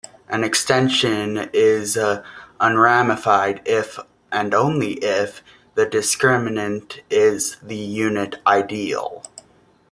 An extension is unramified if, and only if, the discriminant is the unit ideal.